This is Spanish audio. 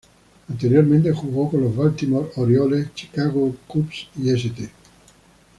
Anteriormente jugó con los Baltimore Orioles, Chicago Cubs y St.